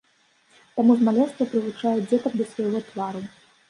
Таму з маленства прывучае дзетак да свайго твару.